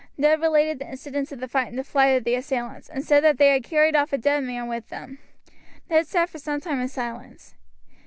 Luke related the incidents of the fight and the flight of the assailants, and said that they had carried off a dead man with them. Ned sat for some time in silence.